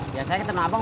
biasanya ke tanabang